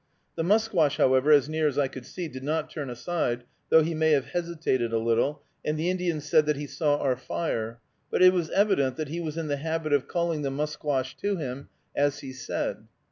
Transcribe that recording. The musquash, however, as near as I could see, did not turn aside, though he may have hesitated a little, and the Indian said that he saw our fire; but it was evident that he was in the habit of calling the musquash to him, as he said.